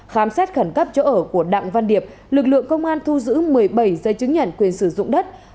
khám xét khẩn cấp chỗ ở của đặng văn điệp lực lượng công an thu giữ một mươi bảy giấy chứng nhận quyền sử dụng đất